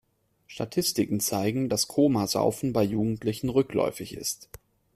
Statistiken zeigen, dass Komasaufen bei Jugendlichen rückläufig ist.